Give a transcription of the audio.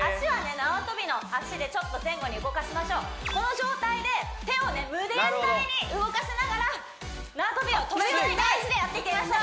縄跳びの足でちょっと前後に動かしましょうこの状態で手を無限大に動かしながら縄跳びを跳ぶイメージでやっていきましょう